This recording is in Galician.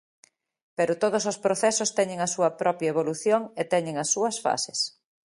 Pero todos os procesos teñen a súa propia evolución e teñen as súas fases.